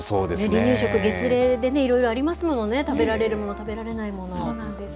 離乳食、月齢でいろいろありますものね、食べられるもの、食そうなんです。